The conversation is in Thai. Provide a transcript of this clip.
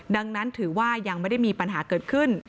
ดังนั้นถือว่ายังไม่ได้มีปัญหาเกิดขึ้น